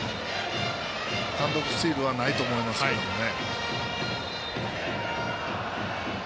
単独スチールはないと思いますけどね。